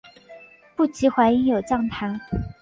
不及淮阴有将坛。